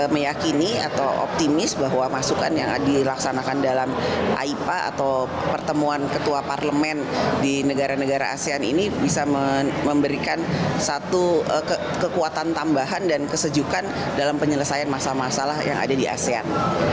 meyakini atau optimis bahwa masukan yang dilaksanakan dalam aipa atau pertemuan ketua parlemen di negara negara asean ini bisa memberikan satu kekuatan tambahan dan kesejukan dalam penyelesaian masalah masalah yang ada di asean